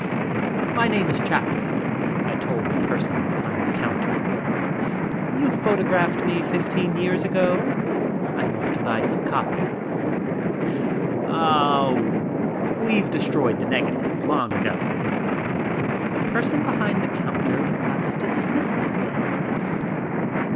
"My name is Chaplin," I told the person behind the A JOKE AND STILL ON THE GO 69 counter. "You photographed me fifteen years ago. I want to buy some copies," "Oh, we've destroyed the negative long ago" ; the person behind the counter thus dismisses me.